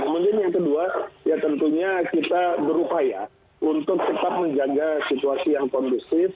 kemudian yang kedua ya tentunya kita berupaya untuk tetap menjaga situasi yang kondusif